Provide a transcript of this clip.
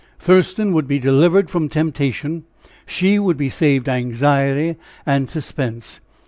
Thurston would be delivered from temptation; she would be saved anxiety and suspense.